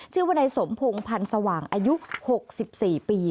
ชื่อวันใหญ่สมพงษ์พันธ์สว่างอายุ๖๔ปี